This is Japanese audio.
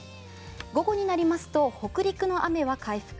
午後になりますと北陸の雨は回復。